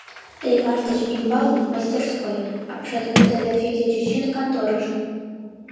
Леваш деч умбалне — мастерской, апшаткудо да Федя чӱчӱн конторыжо.